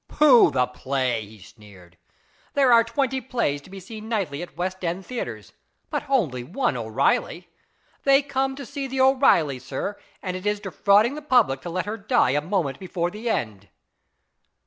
" Pooh, the play !" he sneered. " There are twenty plays to be seen nightly at West End theatres, but only one O'Reilly. They come to see the O'Reilly, sir, and it is defrauding the public to let her die a moment before the end."